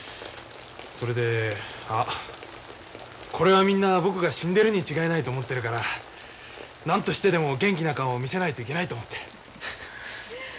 それであこれはみんな僕が死んでるに違いないと思ってるから何としてでも元気な顔を見せないといけないと思って。